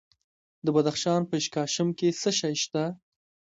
د بدخشان په اشکاشم کې څه شی شته؟